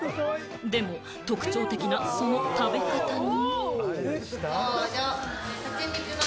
でも特徴的なその食べ方に。